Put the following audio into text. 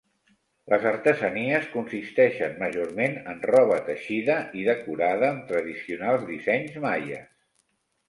Les artesanies consisteixen majorment en roba teixida i decorada amb tradicionals dissenys maies.